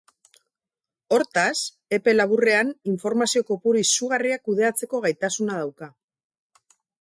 Hortaz, epe laburrean informazio kopuru izugarria kudeatzeko gaitasuna dauka.